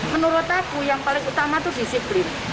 menurut aku yang paling utama itu disiplin